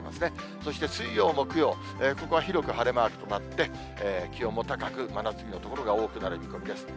そして水曜、木曜、ここは広く晴れマークとなって、気温も高く、真夏日の所が多くなる見込みです。